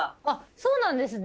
そうなんですね。